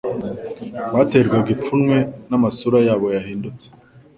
baterwaga ipfunwe n'amasura yabo yahindutse